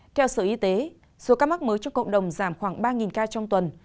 theo sở y tế số ca mắc mới trong cộng đồng giảm khoảng ba ca trong tuần